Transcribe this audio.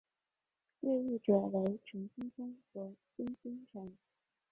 越狱者为陈聪聪和孙星辰。